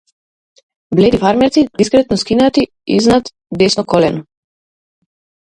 Бледи фармерици, дискретно скинати изнад десно колено.